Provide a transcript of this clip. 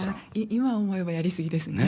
今思えばやり過ぎですね。